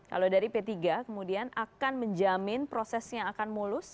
kalau dari p tiga kemudian akan menjamin prosesnya akan mulus